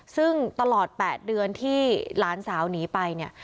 ซึ่งตลอด๘เดือนที่หลานสาวหนีไปเนี่ย